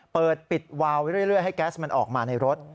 เปิดปิดวาวไว้เรื่อยให้แก๊สมันออกมาในรถ